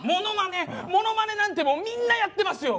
ものまねなんてもうみんなやってますよ。